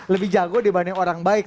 lebih jago dibanding orang baik